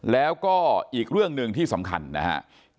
แล้วก็อีกเรื่องหนึ่งที่สำคัญนะครับ